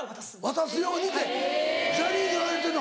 渡すようにってジャニーズは言ってるの？